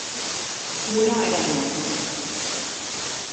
uno era el nuestro.